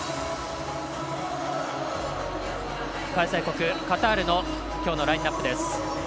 開催国カタールの今日のラインナップです。